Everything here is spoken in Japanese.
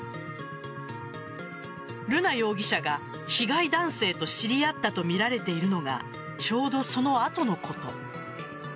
瑠奈容疑者が、被害男性と知り合ったとみられているのがちょうど、その後のこと。